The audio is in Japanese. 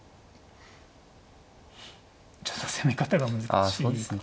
ちょっと攻め方が難しいですね。